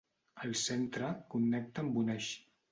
El centre connecta amb un eix.